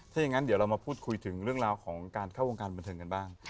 ถ้าอย่างนั้นเดี๋ยวเรามาพูดคุยถึงเรื่องราวของการเข้าวงการบันเทิงกันบ้าง